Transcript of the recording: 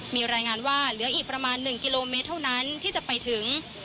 มีรายงานว่าเหลืออีกประมาณ๑กิโลเมตรเท่านั้นที่จะไปถึง